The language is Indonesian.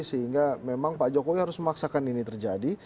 sehingga memang pak jokowi harus memaksakan ini terjadi